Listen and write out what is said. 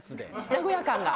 名古屋感が。